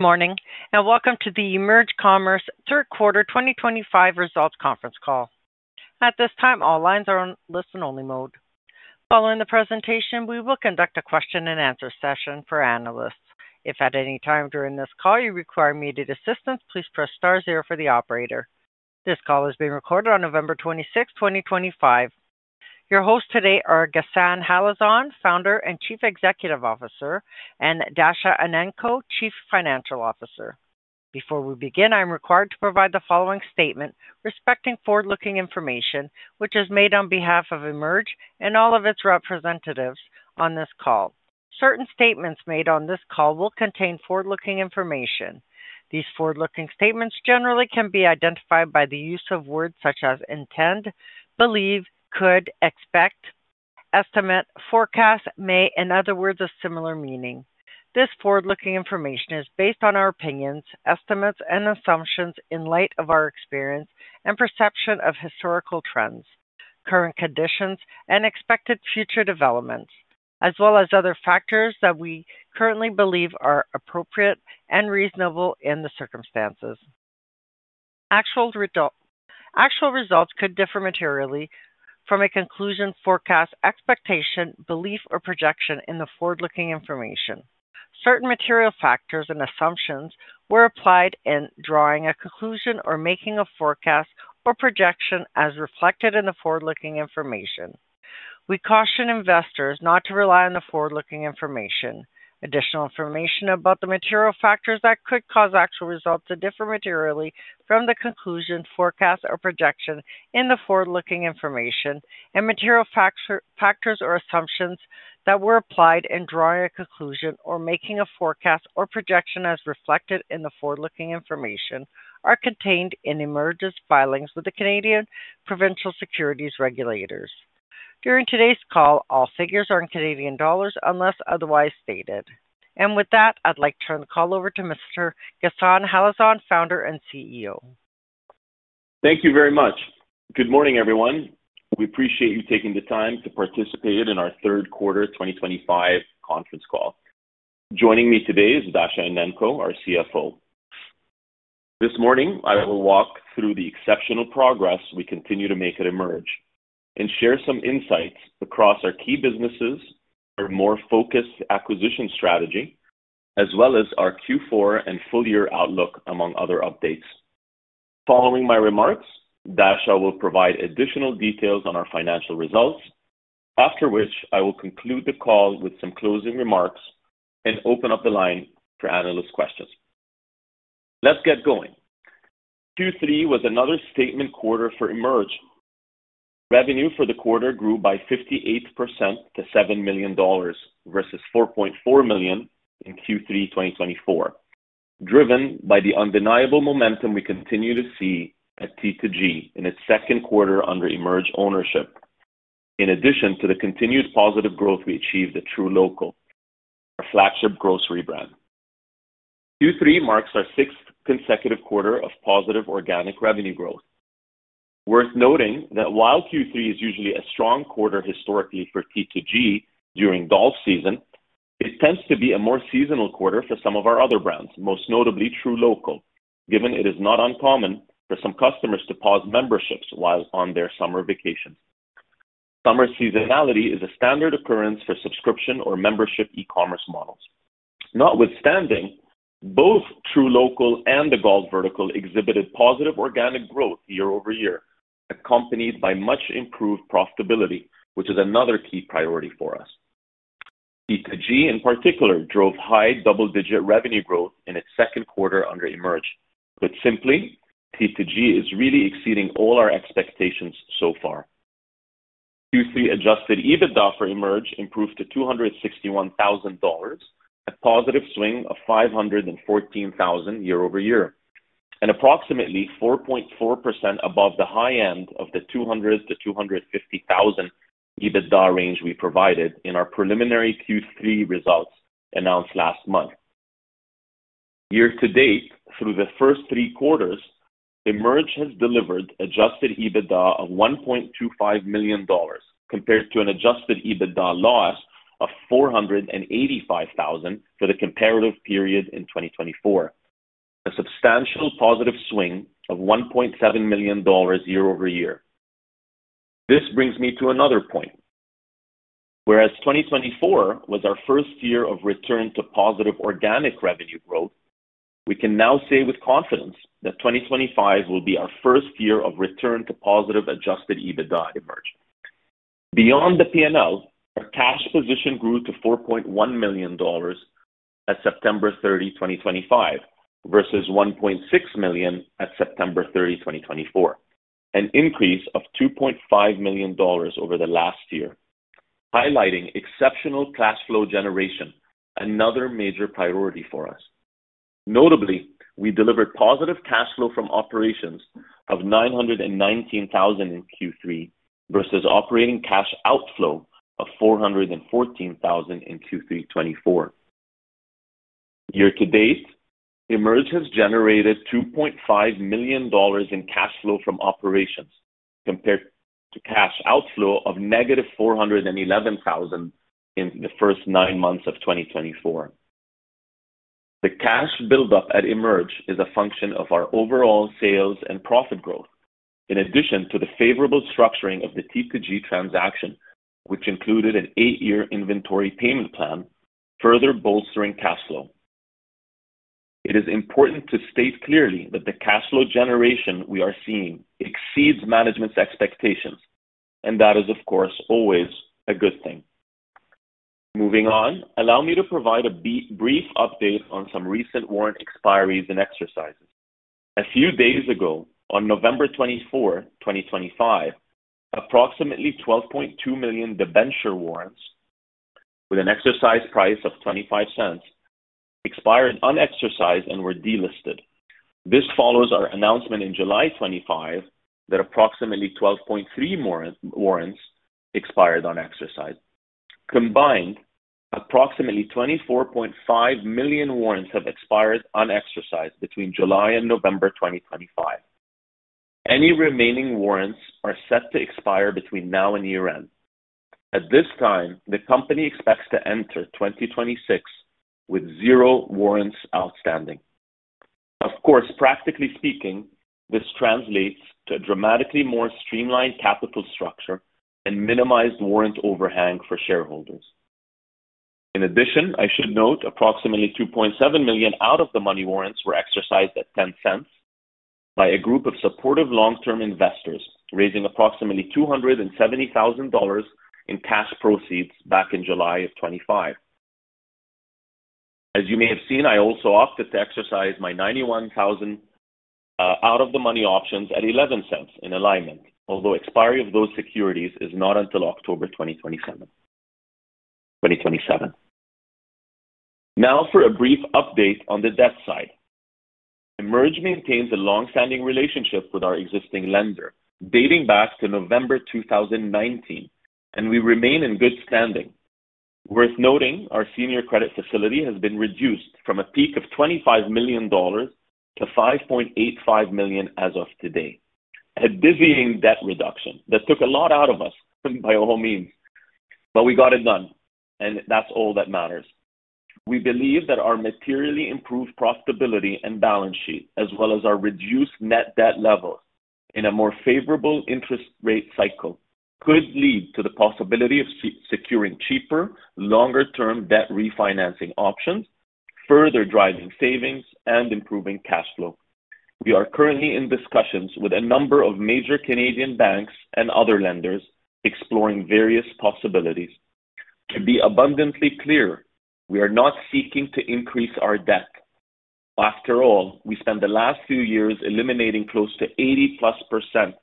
Good morning and welcome to the EMERGE Commerce Q3 2025 Results Conference Call. At this time, all lines are on listen-only mode. Following the presentation, we will conduct a question-and-answer session for analysts. If at any time during this call you require immediate assistance, please press star zero for the operator. This call is being recorded on November 26, 2025. Your hosts today are Ghassan Halazon, Founder and Chief Executive Officer, and Dasha Enenko, Chief Financial Officer. Before we begin, I am required to provide the following statement respecting forward-looking information which is made on behalf of EMERGE and all of its representatives on this call. Certain statements made on this call will contain forward-looking information. These forward-looking statements generally can be identified by the use of words such as intend, believe, could, expect, estimate, forecast, may, and other words of similar meaning. This forward-looking information is based on our opinions, estimates, and assumptions in light of our experience and perception of historical trends, current conditions, and expected future developments, as well as other factors that we currently believe are appropriate and reasonable in the circumstances. Actual results could differ materially from a conclusion, forecast, expectation, belief, or projection in the forward-looking information. Certain material factors and assumptions were applied in drawing a conclusion or making a forecast or projection as reflected in the forward-looking information. We caution investors not to rely on the forward-looking information. Additional information about the material factors that could cause actual results to differ materially from the conclusion, forecast, or projection in the forward-looking information and material factors or assumptions that were applied in drawing a conclusion or making a forecast or projection as reflected in the forward-looking information are contained in EMERGE's filings with the Canadian provincial securities regulators. During today's call, all figures are in CAD unless otherwise stated. With that, I'd like to turn the call over to Mr. Ghassan Halazon, Founder and CEO. Thank you very much. Good morning, everyone. We appreciate you taking the time to participate in our Q3 2025 Conference Call. Joining me today is Dasha Enenko, our CFO. This morning, I will walk through the exceptional progress we continue to make at EMERGE and share some insights across our key businesses, our more focused acquisition strategy, as well as our Q4 and full-year outlook among other updates. Following my remarks, Dasha will provide additional details on our financial results, after which I will conclude the call with some closing remarks and open up the line for analyst questions. Let's get going. Q3 was another statement quarter for EMERGE. Revenue for the quarter grew by 58% to 7 million dollars versus 4.4 million in Q3 2024, driven by the undeniable momentum we continue to see at Tee 2 Green in its second quarter under EMERGE ownership, in addition to the continued positive growth we achieved at truLOCAL, our flagship grocery brand. Q3 marks our sixth consecutive quarter of positive organic revenue growth. Worth noting that while Q3 is usually a strong quarter historically for Tee 2 Green during golf season, it tends to be a more seasonal quarter for some of our other brands, most notably truLOCAL, given it is not uncommon for some customers to pause memberships while on their summer vacations. Summer seasonality is a standard occurrence for subscription or membership e-commerce models. Notwithstanding, both truLOCAL and the golf vertical exhibited positive organic growth year over year, accompanied by much-improved profitability, which is another key priority for us. T2G, in particular, drove high double-digit revenue growth in its second quarter under EMERGE. Put simply, T2G is really exceeding all our expectations so far. Q3 adjusted EBITDA for EMERGE improved to $261,000, a positive swing of $514,000 year over year, and approximately 4.4% above the high end of the $200,000-$250,000 EBITDA range we provided in our preliminary Q3 results announced last month. Year to date, through the first three quarters, EMERGE has delivered adjusted EBITDA of $1.25 million, compared to an adjusted EBITDA loss of $485,000 for the comparative period in 2024, a substantial positive swing of $1.7 million year over year. This brings me to another point. Whereas 2024 was our first year of return to positive organic revenue growth, we can now say with confidence that 2025 will be our first year of return to positive adjusted EBITDA at EMERGE. Beyond the P&L, our cash position grew to 4.1 million dollars at September 30, 2025, versus 1.6 million at September 30, 2024, an increase of 2.5 million dollars over the last year, highlighting exceptional cash flow generation, another major priority for us. Notably, we delivered positive cash flow from operations of 919,000 in Q3 versus operating cash outflow of 414,000 in Q3 2024. Year to date, EMERGE has generated 2.5 million dollars in cash flow from operations, compared to cash outflow of negative 411,000 in the first nine months of 2024. The cash buildup at EMERGE is a function of our overall sales and profit growth, in addition to the favorable structuring of the Tee 2 Green transaction, which included an eight-year inventory payment plan, further bolstering cash flow. It is important to state clearly that the cash flow generation we are seeing exceeds management's expectations, and that is, of course, always a good thing. Moving on, allow me to provide a brief update on some recent warrant expiries and exercises. A few days ago, on November 24, 2025, approximately 12.2 million debenture warrants, with an exercise price of 0.25, expired unexercised and were delisted. This follows our announcement in July 2025 that approximately 12.3 million warrants expired unexercised. Combined, approximately 24.5 million warrants have expired unexercised between July and November 2025. Any remaining warrants are set to expire between now and year-end. At this time, the company expects to enter 2026 with zero warrants outstanding. Of course, practically speaking, this translates to a dramatically more streamlined capital structure and minimized warrant overhang for shareholders. In addition, I should note approximately 2.7 million out-of-the-money warrants were exercised at 0.10 by a group of supportive long-term investors, raising approximately 270,000 dollars in cash proceeds back in July of 2025. As you may have seen, I also opted to exercise my $91,000 out-of-the-money options at $0.11 in alignment, although expiry of those securities is not until October 2027. Now, for a brief update on the debt side. EMERGE maintains a long-standing relationship with our existing lender, dating back to November 2019, and we remain in good standing. Worth noting, our senior credit facility has been reduced from a peak of $25 million to $5.85 million as of today. A dizzying debt reduction that took a lot out of us, by all means, but we got it done, and that's all that matters. We believe that our materially improved profitability and balance sheet, as well as our reduced net debt levels in a more favorable interest rate cycle, could lead to the possibility of securing cheaper, longer-term debt refinancing options, further driving savings and improving cash flow. We are currently in discussions with a number of major Canadian banks and other lenders, exploring various possibilities. To be abundantly clear, we are not seeking to increase our debt. After all, we spent the last few years eliminating close to 80%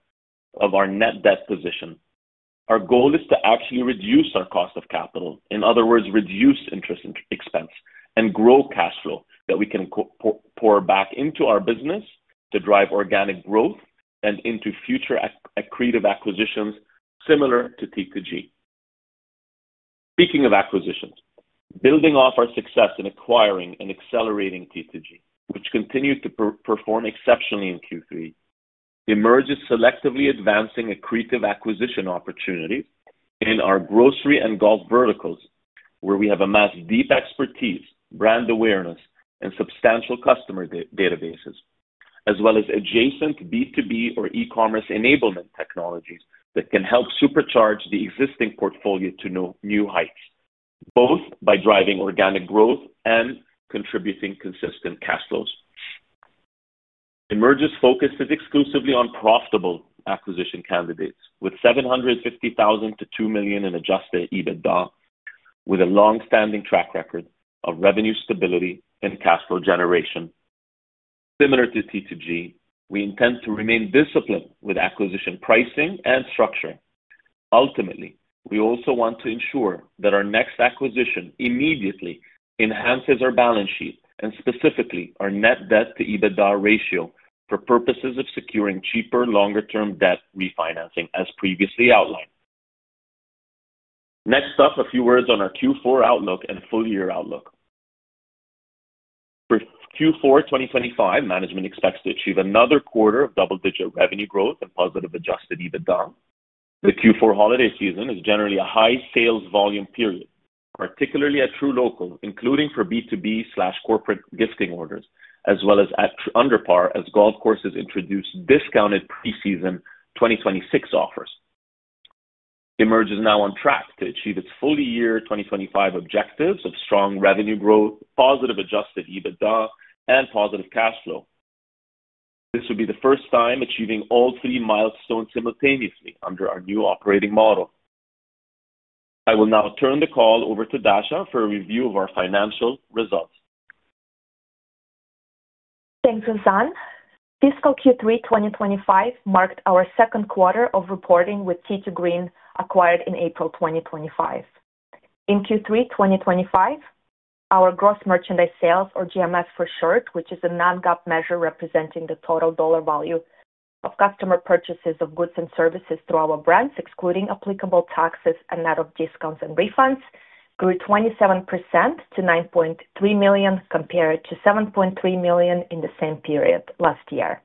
of our net debt position. Our goal is to actually reduce our cost of capital, in other words, reduce interest expense, and grow cash flow that we can pour back into our business to drive organic growth and into future accretive acquisitions similar to T2G. Speaking of acquisitions, building off our success in acquiring and accelerating T2G, which continued to perform exceptionally in Q3, EMERGE is selectively advancing accretive acquisition opportunities in our grocery and golf verticals, where we have amassed deep expertise, brand awareness, and substantial customer databases, as well as adjacent B2B or e-commerce enablement technologies that can help supercharge the existing portfolio to new heights, both by driving organic growth and contributing consistent cash flows. EMERGE's focus is exclusively on profitable acquisition candidates, with 750,000 to 2 million in adjusted EBITDA, with a long-standing track record of revenue stability and cash flow generation. Similar to T2G, we intend to remain disciplined with acquisition pricing and structure. Ultimately, we also want to ensure that our next acquisition immediately enhances our balance sheet and specifically our net debt-to-EBITDA ratio for purposes of securing cheaper, longer-term debt refinancing, as previously outlined. Next up, a few words on our Q4 outlook and full-year outlook. For Q4 2025, management expects to achieve another quarter of double-digit revenue growth and positive adjusted EBITDA. The Q4 holiday season is generally a high sales volume period, particularly at truLOCAL, including for B2B/corporate gifting orders, as well as at UnderPar, as golf courses introduce discounted preseason 2026 offers. EMERGE is now on track to achieve its full-year 2025 objectives of strong revenue growth, positive adjusted EBITDA, and positive cash flow. This would be the first time achieving all three milestones simultaneously under our new operating model. I will now turn the call over to Dasha for a review of our financial results. Thanks, Ghassan. Fiscal Q3 2025 marked our second quarter of reporting with Tee 2 Green, acquired in April 2025. In Q3 2025, our gross merchandise sales, or GMS for short, which is a non-GAAP measure representing the total dollar value of customer purchases of goods and services through our brands, excluding applicable taxes and net of discounts and refunds, grew 27% to 9.3 million, compared to 7.3 million in the same period last year.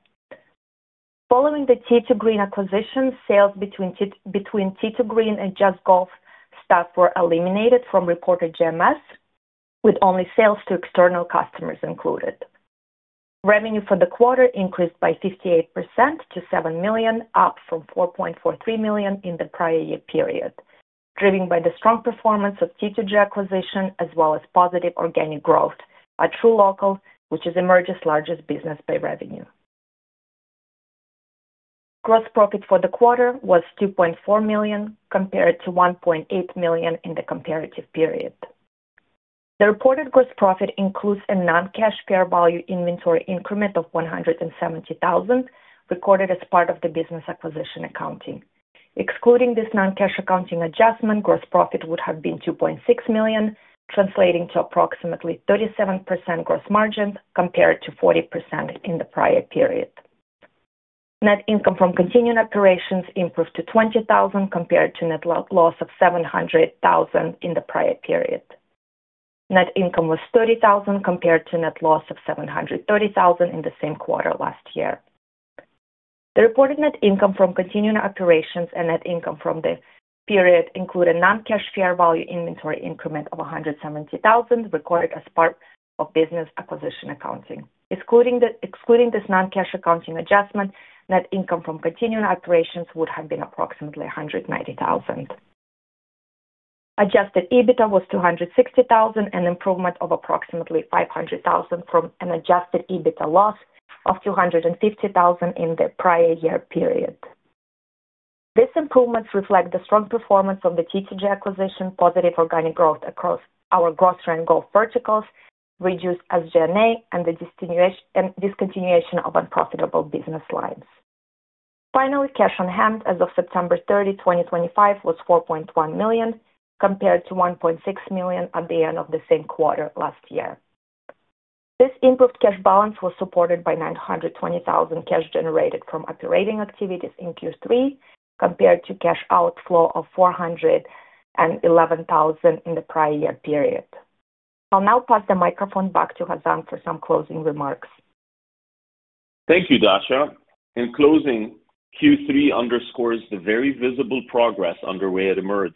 Following the Tee 2 Green acquisition, sales between Tee 2 Green and Just Golf Stuff were eliminated from reported GMS, with only sales to external customers included. Revenue for the quarter increased by 58% to 7 million, up from 4.43 million in the prior year period, driven by the strong performance of the Tee 2 Green acquisition, as well as positive organic growth at truLOCAL, which is EMERGE's largest business by revenue. Gross profit for the quarter was 2.4 million, compared to 1.8 million in the comparative period. The reported gross profit includes a non-cash fair value inventory increment of 170,000 recorded as part of the business acquisition accounting. Excluding this non-cash accounting adjustment, gross profit would have been 2.6 million, translating to approximately 37% gross margin, compared to 40% in the prior period. Net income from continuing operations improved to 20,000, compared to net loss of 700,000 in the prior period. Net income was 30,000, compared to net loss of 730,000 in the same quarter last year. The reported net income from continuing operations and net income from the period include a non-cash fair value inventory increment of 170,000 recorded as part of business acquisition accounting. Excluding this non-cash accounting adjustment, net income from continuing operations would have been approximately 190,000. Adjusted EBITDA was $260,000, an improvement of approximately $500,000 from an adjusted EBITDA loss of $250,000 in the prior year period. These improvements reflect the strong performance of the Tee 2 Green acquisition, positive organic growth across our grocery and golf verticals, reduced SG&A, and the discontinuation of unprofitable business lines. Finally, cash on hand as of September 30, 2025, was 4.1 million, compared to 1.6 million at the end of the same quarter last year. This improved cash balance was supported by 920,000 cash generated from operating activities in Q3, compared to cash outflow of 411,000 in the prior year period. I'll now pass the microphone back to Ghassan for some closing remarks. Thank you, Dasha. In closing, Q3 underscores the very visible progress underway at EMERGE.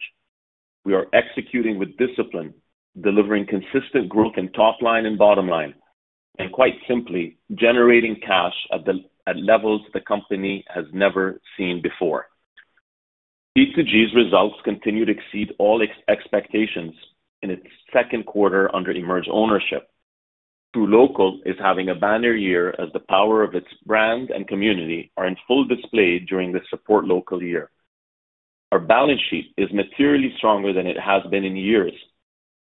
We are executing with discipline, delivering consistent growth in top line and bottom line, and quite simply, generating cash at levels the company has never seen before. T2G's results continue to exceed all expectations in its second quarter under EMERGE ownership. truLOCAL is having a banner year as the power of its brand and community are in full display during the support local year. Our balance sheet is materially stronger than it has been in years.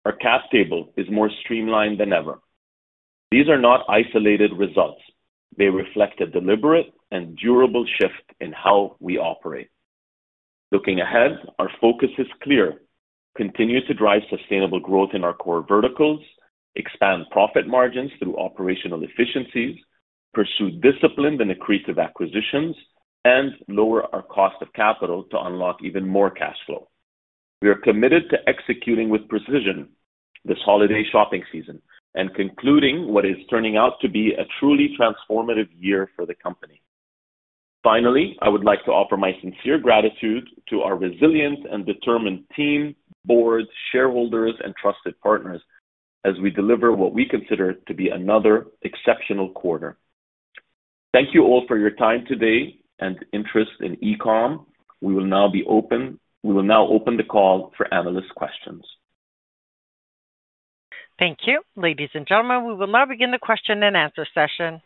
Our cash table is more streamlined than ever. These are not isolated results. They reflect a deliberate and durable shift in how we operate. Looking ahead, our focus is clear: continue to drive sustainable growth in our core verticals, expand profit margins through operational efficiencies, pursue disciplined and accretive acquisitions, and lower our cost of capital to unlock even more cash flow. We are committed to executing with precision this holiday shopping season and concluding what is turning out to be a truly transformative year for the company. Finally, I would like to offer my sincere gratitude to our resilient and determined team, board, shareholders, and trusted partners as we deliver what we consider to be another exceptional quarter. Thank you all for your time today and interest in EMERGE Commerce. We will now open the call for analyst questions. Thank you. Ladies and gentlemen, we will now begin the question and answer session.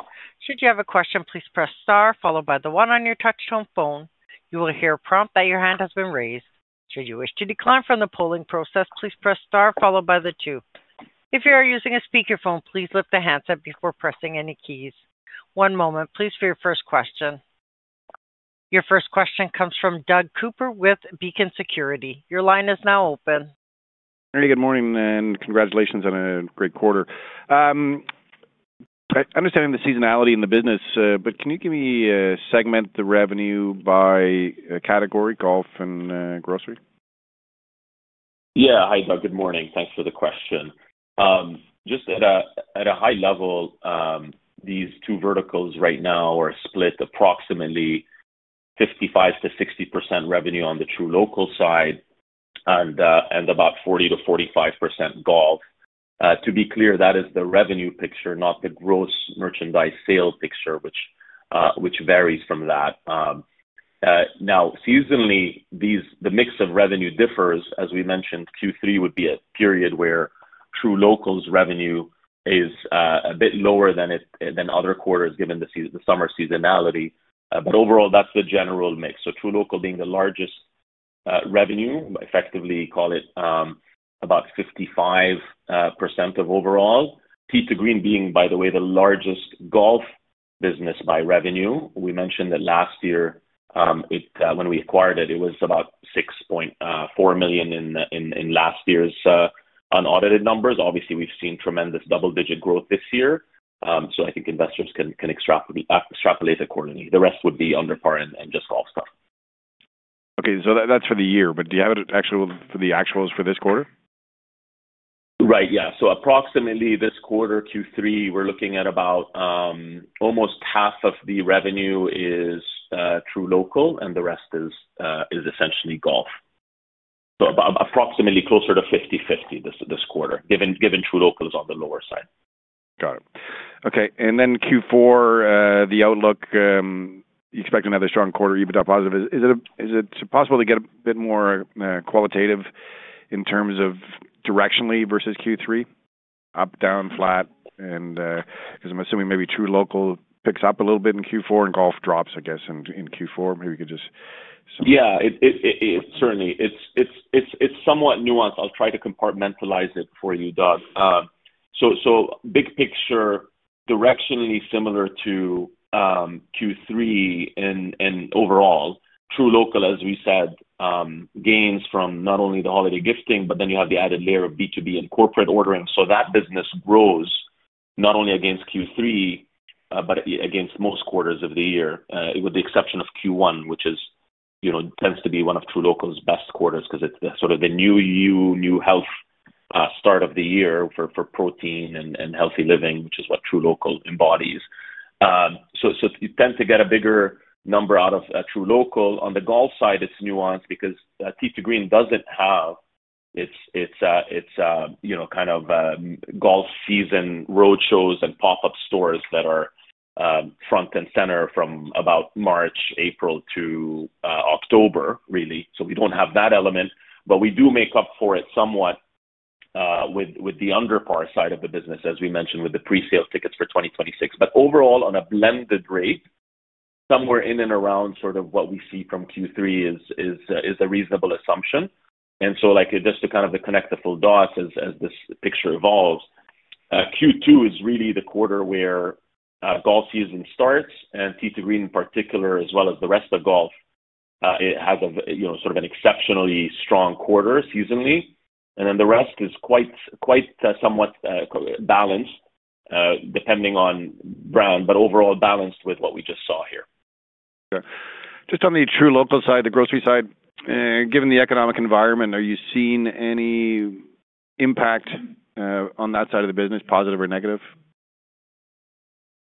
Should you have a question, please press star, followed by the one on your touch-tone phone. You will hear a prompt that your hand has been raised. Should you wish to decline from the polling process, please press star, followed by the two. If you are using a speakerphone, please lift the hands up before pressing any keys. One moment, please, for your first question. Your first question comes from Doug Cooper with Beacon Securities. Your line is now open. Hey, good morning, and congratulations on a great quarter. I understand the seasonality in the business, but can you give me a segment of the revenue by category, golf and grocery? Yeah, hi, Doug. Good morning. Thanks for the question. Just at a high level, these two verticals right now are split approximately 55-60% revenue on the truLOCAL side and about 40-45% golf. To be clear, that is the revenue picture, not the gross merchandise sale picture, which varies from that. Now, seasonally, the mix of revenue differs. As we mentioned, Q3 would be a period where truLOCAL's revenue is a bit lower than other quarters, given the summer seasonality. Overall, that's the general mix. truLOCAL being the largest revenue, effectively call it about 55% of overall. Tee 2 Green being, by the way, the largest golf business by revenue. We mentioned that last year, when we acquired it, it was about 6.4 million in last year's unaudited numbers. Obviously, we've seen tremendous double-digit growth this year, so I think investors can extrapolate accordingly. The rest would be UnderPar and Just Golf Stuff. Okay, so that's for the year, but do you have it actually for the actuals for this quarter? Right, yeah. Approximately this quarter, Q3, we're looking at about almost half of the revenue is truLOCAL, and the rest is essentially golf. Approximately closer to 50/50 this quarter, given truLOCAL is on the lower side. Got it. Okay, and then Q4, the outlook, you expect another strong quarter, EBITDA positive. Is it possible to get a bit more qualitative in terms of directionally versus Q3? Up, down, flat? Because I'm assuming maybe truLOCAL picks up a little bit in Q4 and golf drops, I guess, in Q4. Maybe you could just. Yeah, certainly. It's somewhat nuanced. I'll try to compartmentalize it for you, Doug. Big picture, directionally similar to Q3 and overall, truLOCAL, as we said, gains from not only the holiday gifting, but then you have the added layer of B2B and corporate ordering. That business grows not only against Q3, but against most quarters of the year, with the exception of Q1, which tends to be one of truLOCAL's best quarters because it's sort of the new you, new health start of the year for protein and healthy living, which is what truLOCAL embodies. You tend to get a bigger number out of truLOCAL. On the golf side, it's nuanced because Tee 2 Green doesn't have its kind of golf season roadshows and pop-up stores that are front and center from about March, April to October, really. We do not have that element, but we do make up for it somewhat with the UnderPar side of the business, as we mentioned, with the pre-sale tickets for 2026. Overall, on a blended rate, somewhere in and around sort of what we see from Q3 is a reasonable assumption. Just to kind of connect the full dots as this picture evolves, Q2 is really the quarter where golf season starts, and Tee 2 Green in particular, as well as the rest of golf, has sort of an exceptionally strong quarter seasonally. The rest is quite somewhat balanced, depending on brand, but overall balanced with what we just saw here. Okay. Just on the truLOCAL side, the grocery side, given the economic environment, are you seeing any impact on that side of the business, positive or negative?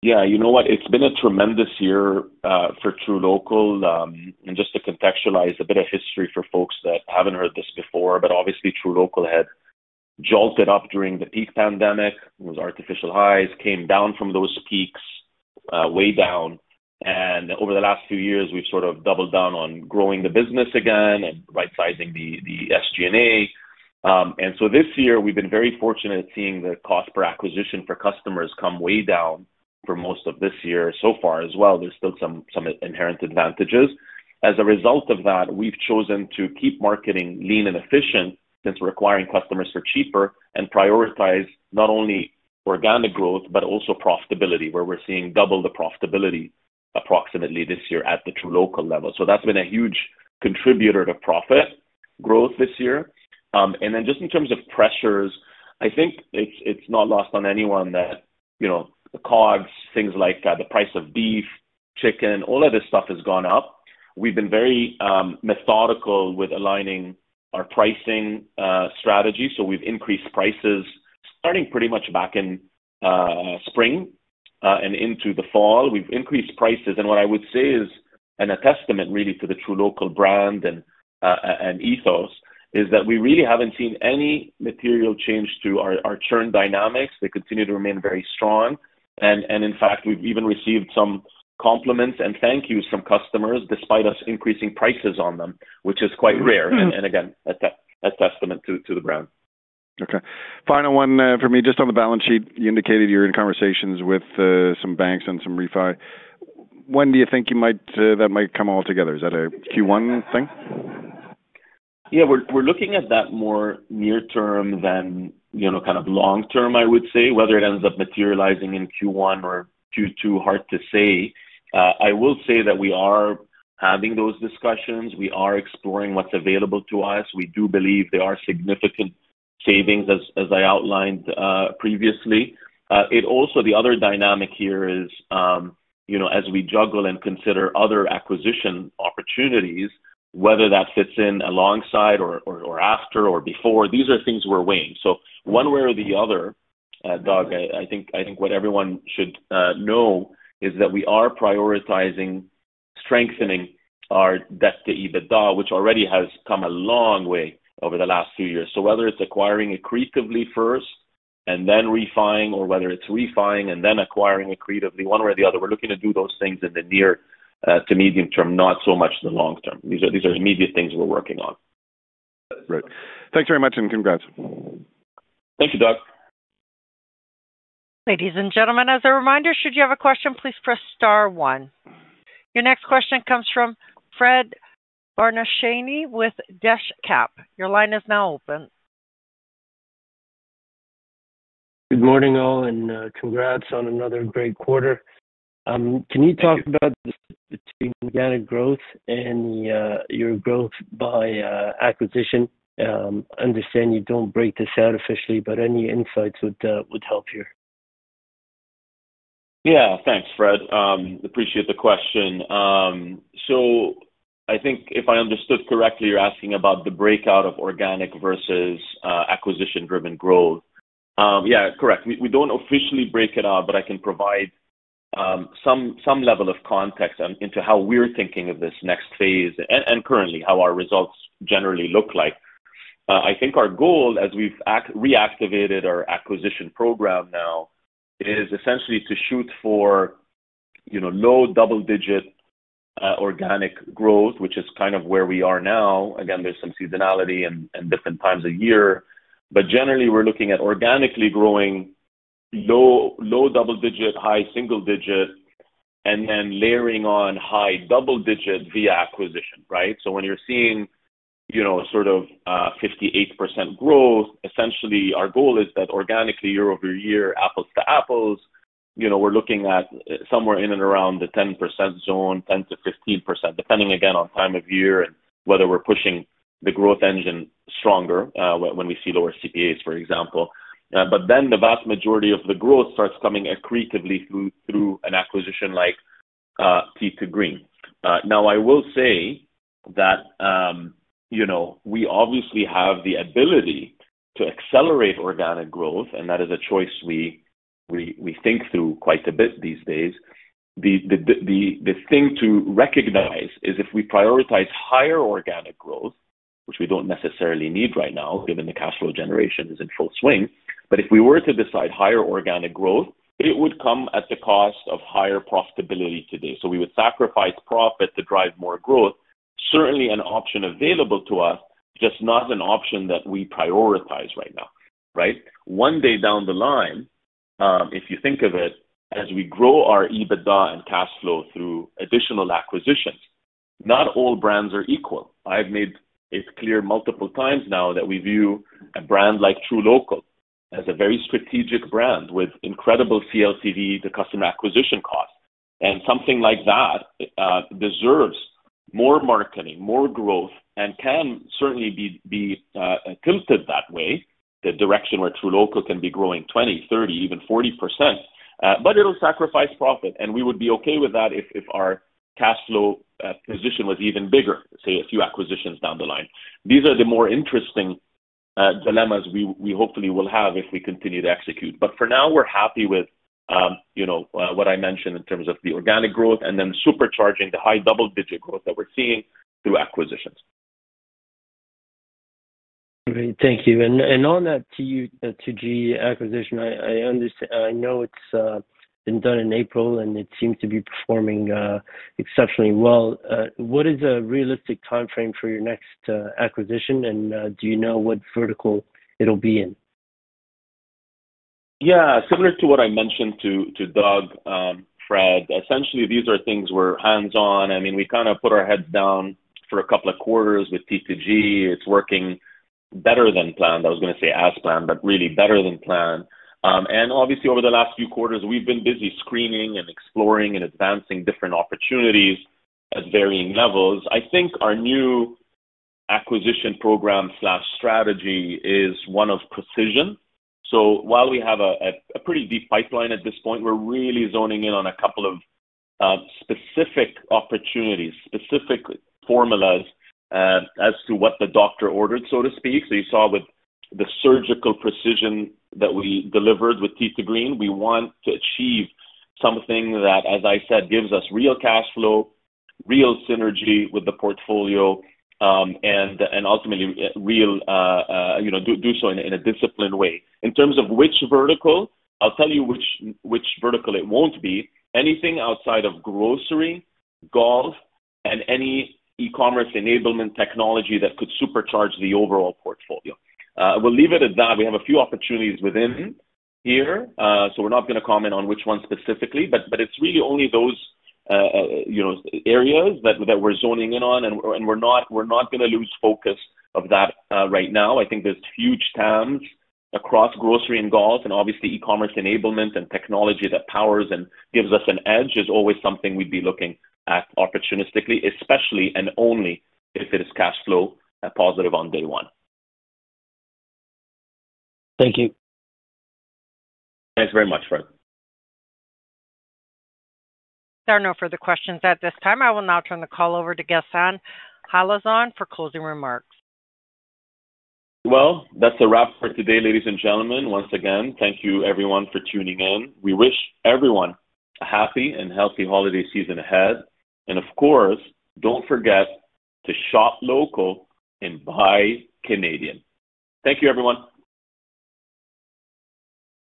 Yeah, you know what? It's been a tremendous year for truLOCAL. And just to contextualize a bit of history for folks that haven't heard this before, but obviously, truLOCAL had jolted up during the peak pandemic. It was artificial highs, came down from those peaks, way down. Over the last few years, we've sort of doubled down on growing the business again and right-sizing the SG&A. This year, we've been very fortunate at seeing the cost per acquisition for customers come way down for most of this year. There are still some inherent advantages. As a result of that, we've chosen to keep marketing lean and efficient since we're acquiring customers for cheaper and prioritize not only organic growth, but also profitability, where we're seeing double the profitability approximately this year at the truLOCAL level. That's been a huge contributor to profit growth this year. Just in terms of pressures, I think it's not lost on anyone that COGS, things like the price of beef, chicken, all of this stuff has gone up. We've been very methodical with aligning our pricing strategy. We've increased prices starting pretty much back in spring and into the fall. We've increased prices. What I would say is an attestament really to the truLOCAL brand and ethos is that we really haven't seen any material change to our churn dynamics. They continue to remain very strong. In fact, we've even received some compliments and thank yous from customers despite us increasing prices on them, which is quite rare. Again, a testament to the brand. Okay. Final one for me. Just on the balance sheet, you indicated you're in conversations with some banks and some refi. When do you think that might come all together? Is that a Q1 thing? Yeah, we're looking at that more near-term than kind of long-term, I would say. Whether it ends up materializing in Q1 or Q2, hard to say. I will say that we are having those discussions. We are exploring what's available to us. We do believe there are significant savings, as I outlined previously. It also, the other dynamic here is as we juggle and consider other acquisition opportunities, whether that fits in alongside or after or before, these are things we're weighing. One way or the other, Doug, I think what everyone should know is that we are prioritizing strengthening our debt-to-EBITDA, which already has come a long way over the last few years. Whether it's acquiring accretively first and then refining, or whether it's refining and then acquiring accretively, one way or the other, we're looking to do those things in the near to medium term, not so much the long term. These are immediate things we're working on. Right. Thanks very much and congrats. Thank you, Doug. Ladies and gentlemen, as a reminder, should you have a question, please press star one. Your next question comes from Fred Barnachawy with DeshCap. Your line is now open. Good morning, all, and congrats on another great quarter. Can you talk about the organic growth and your growth by acquisition? I understand you don't break this out officially, but any insights would help here. Yeah, thanks, Fred. Appreciate the question. I think if I understood correctly, you're asking about the breakout of organic versus acquisition-driven growth. Yeah, correct. We do not officially break it out, but I can provide some level of context into how we're thinking of this next phase and currently how our results generally look like. I think our goal, as we've reactivated our acquisition program now, is essentially to shoot for low double-digit organic growth, which is kind of where we are now. Again, there's some seasonality and different times of year. Generally, we're looking at organically growing low double-digit, high single digit, and then layering on high double-digit via acquisition, right? When you're seeing sort of 58% growth, essentially our goal is that organically year over year, apples to apples, we're looking at somewhere in and around the 10% zone, 10-15%, depending again on time of year and whether we're pushing the growth engine stronger when we see lower CPAs, for example. The vast majority of the growth starts coming accretively through an acquisition like Tee 2 Green. I will say that we obviously have the ability to accelerate organic growth, and that is a choice we think through quite a bit these days. The thing to recognize is if we prioritize higher organic growth, which we don't necessarily need right now, given the cash flow generation is in full swing, if we were to decide higher organic growth, it would come at the cost of higher profitability today. We would sacrifice profit to drive more growth, certainly an option available to us, just not an option that we prioritize right now, right? One day down the line, if you think of it, as we grow our EBITDA and cash flow through additional acquisitions, not all brands are equal. I've made it clear multiple times now that we view a brand like truLOCAL as a very strategic brand with incredible CLTV, the customer acquisition cost. Something like that deserves more marketing, more growth, and can certainly be tilted that way, the direction where truLOCAL can be growing 20%, 30%, even 40%, but it'll sacrifice profit. We would be okay with that if our cash flow position was even bigger, say a few acquisitions down the line. These are the more interesting dilemmas we hopefully will have if we continue to execute. For now, we're happy with what I mentioned in terms of the organic growth and then supercharging the high double-digit growth that we're seeing through acquisitions. Great. Thank you. On that Tee 2 Green acquisition, I know it's been done in April, and it seems to be performing exceptionally well. What is a realistic timeframe for your next acquisition, and do you know what vertical it'll be in? Yeah, similar to what I mentioned to Doug, Fred, essentially these are things we're hands-on. I mean, we kind of put our heads down for a couple of quarters with T2G. It's working better than planned. I was going to say as planned, but really better than planned. Obviously, over the last few quarters, we've been busy screening and exploring and advancing different opportunities at varying levels. I think our new acquisition program/strategy is one of precision. While we have a pretty deep pipeline at this point, we're really zoning in on a couple of specific opportunities, specific formulas as to what the doctor ordered, so to speak. You saw with the surgical precision that we delivered with Tee 2 Green, we want to achieve something that, as I said, gives us real cash flow, real synergy with the portfolio, and ultimately really do so in a disciplined way. In terms of which vertical, I'll tell you which vertical it won't be. Anything outside of grocery, golf, and any e-commerce enablement technology that could supercharge the overall portfolio. We'll leave it at that. We have a few opportunities within here, so we're not going to comment on which one specifically, but it's really only those areas that we're zoning in on, and we're not going to lose focus of that right now. I think there's huge TAMs across grocery and golf, and obviously e-commerce enablement and technology that powers and gives us an edge is always something we'd be looking at opportunistically, especially and only if it is cash flow positive on day one. Thank you. Thanks very much, Fred. There are no further questions at this time. I will now turn the call over to Ghassan Halazon for closing remarks. That's a wrap for today, ladies and gentlemen. Once again, thank you everyone for tuning in. We wish everyone a happy and healthy holiday season ahead. Of course, don't forget to shop local and buy Canadian. Thank you, everyone.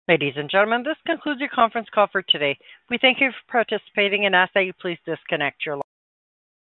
Ladies and gentlemen, this concludes your conference call for today. We thank you for participating and ask that you please disconnect.